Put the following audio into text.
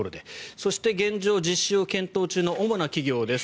そして現状、実施を検討中の主な企業です。